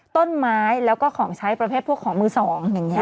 ต้นไม้แล้วก็ของใช้ประเภทพวกของมือสองอย่างนี้